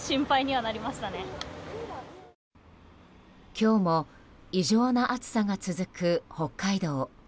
今日も異常な暑さが続く北海道。